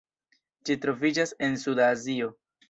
Ĝi troviĝas en suda Azio.